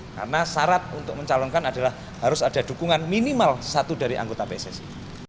karena syarat untuk mencalonkan adalah harus ada dukungan minimal satu dari anggota pssi